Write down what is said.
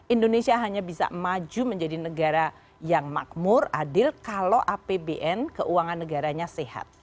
indonesia hanya bisa maju menjadi negara yang makmur adil kalau apbn keuangan negaranya sehat